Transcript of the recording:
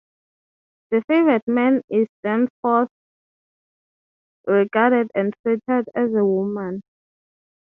The favored man is thenceforth regarded and treated as a woman.